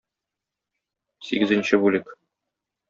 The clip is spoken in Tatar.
Сигезенче бүлек.